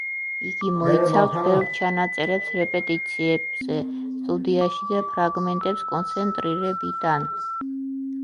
იგი მოიცავს ბევრ ჩანაწერებს რეპეტიციებზე სტუდიაში და ფრაგმენტებს კონცერტებიდან.